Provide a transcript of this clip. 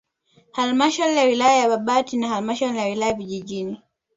Halmashauri ya wilaya ya Babati na halmashauri ya wilaya ya vijijini